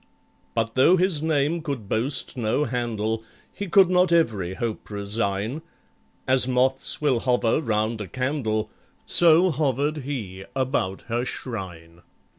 But though his name could boast no handle, He could not every hope resign; As moths will hover round a candle, So hovered he about her shrine.